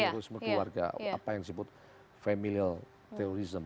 terorisme keluarga apa yang disebut familial terorisme